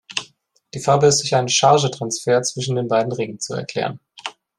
Die Farbe ist durch einen Charge-Transfer zwischen den beiden Ringen zu erklären.